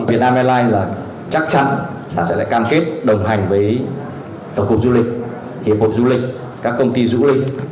việt nam airlines chắc chắn sẽ cam kết đồng hành với tổng cục du lịch hiệp hội du lịch các công ty du lịch